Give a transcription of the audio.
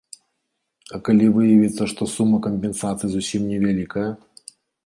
А калі выявіцца, што сума кампенсацыі зусім невялікая?